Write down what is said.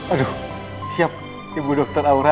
aduh siap ibu dokter aura